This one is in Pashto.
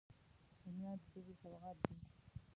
رومیان د دوبي سوغات دي